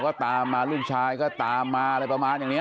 ก็ตามมาลูกชายก็ตามมาประมาณแบบนี้